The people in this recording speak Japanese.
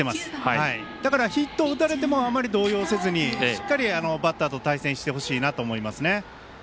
だから、ヒットを打たれてもあまり動揺せずにしっかりバッターと対戦してほしいなと思います。